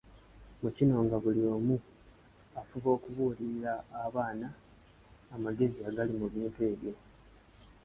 Mu kino nga buli omu afuba okubuulira abaana amagezi agali mu bintu ebyo.